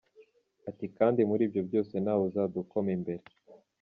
Ati “Kandi muri ibyo byose nta wuzadukoma imbere”.